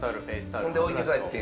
ほんで置いて帰ってええんや。